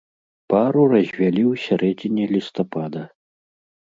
Пару развялі ў сярэдзіне лістапада.